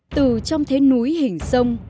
từ trong thế núi hình sông